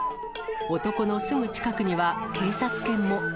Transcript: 男のすぐ近くには警察犬も。